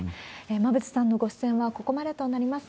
馬渕さんのご出演はここまでとなります。